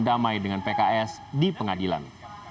damai dengan pks di pengadilan